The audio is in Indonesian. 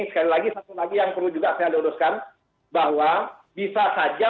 sekali lagi satu lagi yang perlu juga saya luruskan bahwa bisa saja